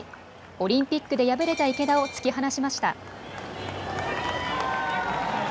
オリンピックで敗れた池田を突き放しました。